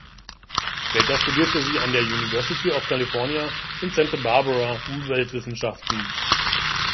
Später studierte sie an der University of California in Santa Barbara Umweltwissenschaften.